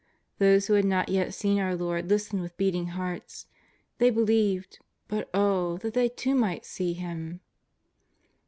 Those who had not yet seen our Lord listened with beating hearts ; they believed, but oh, that they too might see Him!